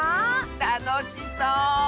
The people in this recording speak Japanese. たのしそう！